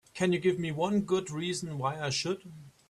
Can you give me one good reason why I should?